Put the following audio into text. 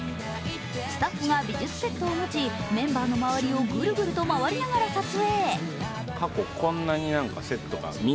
スタッフが美術セットを持ちメンバーの周りをぐるぐると回りながら撮影。